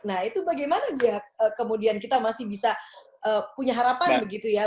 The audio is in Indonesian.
nah itu bagaimana dia kemudian kita masih bisa punya harapan begitu ya